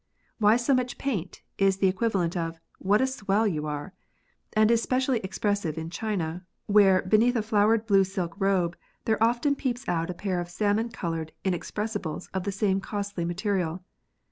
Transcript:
Why so much paint? is the equivalent of What a swell you are ! and is specially expressive in China, where beneath a flowered blue silk robe there often peeps out a pair of salmon coloured inexpressibles of the same costly material.